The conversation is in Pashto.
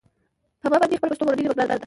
په ما باندې خپله پښتو مورنۍ ژبه ګرانه ده.